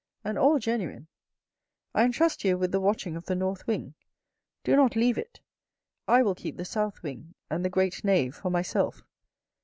" And all genuine. I entrust you with the watching of the north wing. Do not leave it. I will keep the south wing and the great nave for myself.